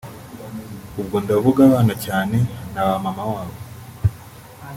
ubwo ndavuga abana cyane na ba mama babo